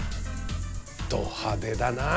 ド派手だな。